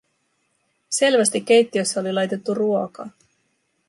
Selvästi keittiössä oli laitettu ruokaa.